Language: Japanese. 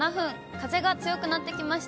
風が強くなってきました。